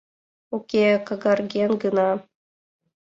Уке, какарген гына.